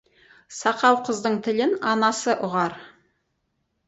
Сақау қыздың тілін анасы ұғар.